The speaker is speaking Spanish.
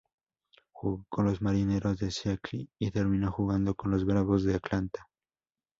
Jugó con los Marineros de Seattle y terminó jugando con los Bravos de Atlanta.